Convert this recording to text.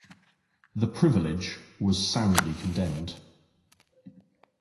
The "privilege" was soundly condemned.